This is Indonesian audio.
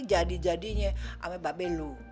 jadi jadinya sama babeluh